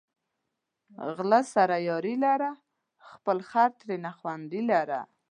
غله سره یاري لره، خپل خر ترېنه خوندي لره